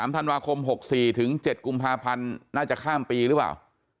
ธันวาคม๖๔ถึง๗กุมภาพันธ์น่าจะข้ามปีหรือเปล่า